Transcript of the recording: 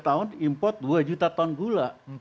lima tahun import dua juta ton gula